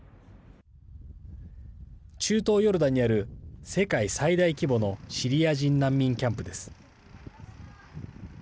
中東ヨルダンにある世界最大規模のシリア人難民キャンプです。